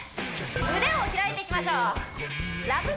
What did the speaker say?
腕を開いていきましょうＬＯＶＥ